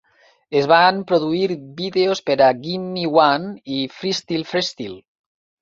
Es van produir vídeos per a "Gimmie One" i "Freestyle Freestyle".